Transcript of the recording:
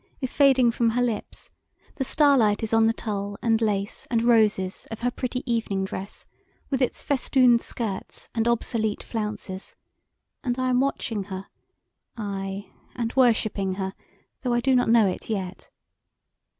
is fading from her lips; the starlight is on the tulle and lace and roses of her pretty evening dress, with its festooned skirts and obsolete flounces; and I am watching her, ay, and worshipping her, though I do not know it yet.